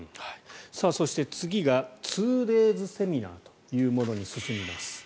そして、次が２デーズセミナーというものに進みます。